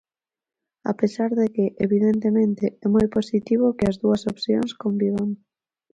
A pesar de que, evidentemente, é moi positivo que as dúas opcións convivan.